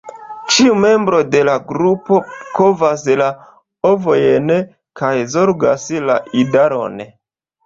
Ĉiu membro de la grupo kovas la ovojn kaj zorgas la idaron.